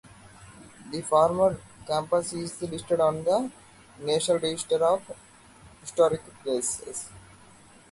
The former campus is listed on the National Register of Historic Places.